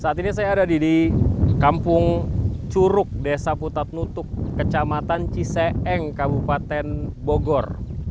saat ini saya ada di kampung curug desa putat nutuk kecamatan ciseeng kabupaten bogor